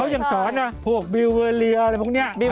แบบจะจบเกษตรมากัน